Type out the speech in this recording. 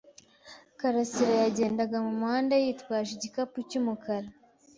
Karasirayagendaga mumuhanda yitwaje igikapu cyumukara.